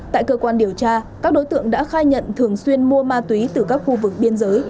tại cơ quan điều tra các đối tượng đã khai nhận thường xuyên mua ma túy từ các khu vực biên giới